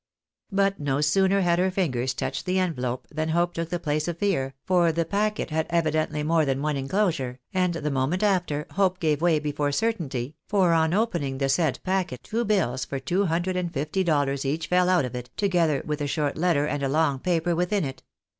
But no sooner had her fingers touched the envelope, than hope took the place of fear, for the packet had evidently more than one inclosure, and the moment after, hope gave way before certainty ; for on opening the said packet, two bills for two hundred 256 THE is AltJS AB i » IJN A«»filllC A. and fifty dollars each Tell out of it, together with a short letter and a loflg paper within it.